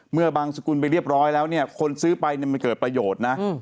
บางสกุลไปเรียบร้อยแล้วเนี่ยคนซื้อไปมันเกิดประโยชน์นะ